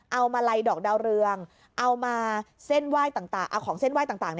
มาลัยดอกดาวเรืองเอามาเส้นไหว้ต่างเอาของเส้นไหว้ต่าง